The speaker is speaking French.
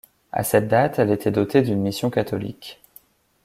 À cette date, elle était dotée d'une mission catholique.